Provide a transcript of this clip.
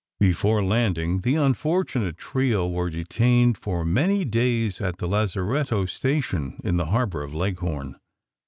Before landing the unfortunate trio were detained for many days at the lazaretto station in the harbor of Leghorn.